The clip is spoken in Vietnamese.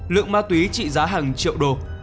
lượng ma túy trị giá hàng triệu đô